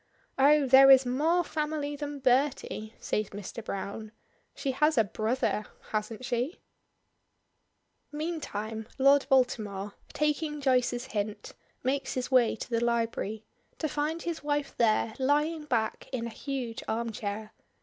"Oh, there is more family than Bertie," says Mr. Browne. "She has a brother, hasn't she?" Meantime Lord Baltimore, taking Joyce's hint, makes his way to the library, to find his wife there lying back in a huge arm chair.